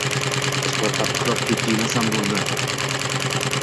Ishqilib, qattiqroq tepki yemasam bo‘lgani